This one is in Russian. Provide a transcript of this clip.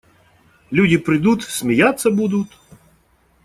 Люди придут – смеяться будут.